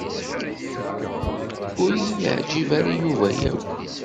Ur iyi-yeɛjeb ara Yuba akk.